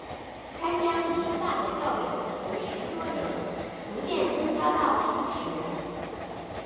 参加弥撒的教友从十多人逐渐增加到数十人。